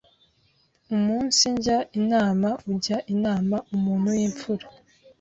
Umunsijya inama ujya inama Umuntu w’imfura